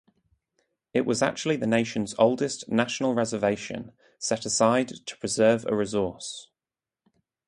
It was actually the nation’s oldest national reservation, set aside to preserve a resource.